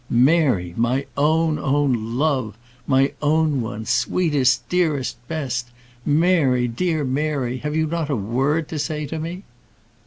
"Mary! my own, own love! my own one! sweetest! dearest! best! Mary! dear Mary! have you not a word to say to me?"